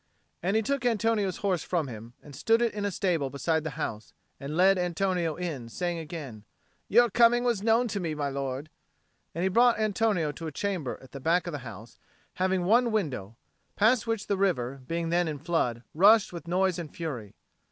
And he took Antonio's horse from him and stood it in a stable beside the house, and led Antonio in, saying again, "Your coming was known to me, my lord;" and he brought Antonio to a chamber at the back of the house, having one window, past which the river, being then in flood, rushed with noise and fury.